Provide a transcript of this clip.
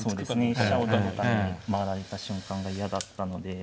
飛車をどこかに回られた瞬間が嫌だったので。